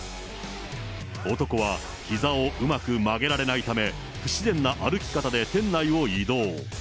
男はひざをうまく曲げられないため、不自然な歩き方で店内を移動。